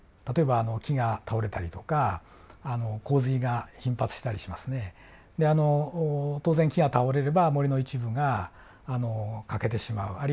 例えば木が倒れたりとか洪水が頻発したりしますねであの当然木が倒れれば森の一部が欠けてしまう。